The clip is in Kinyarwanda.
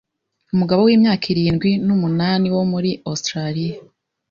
Umugabo w'imyaka irindwi numunani wo muri Australia